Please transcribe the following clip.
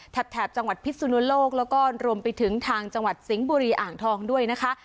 แถบจังหวัดพิสุนโลกแล้วก็รวมไปถึงทางจังหวัดสิงห์บุรีอ่างทองด้วยนะคะ